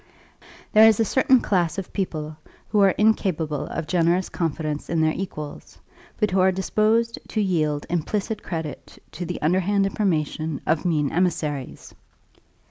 There is a certain class of people, who are incapable of generous confidence in their equals, but who are disposed to yield implicit credit to the underhand information of mean emissaries.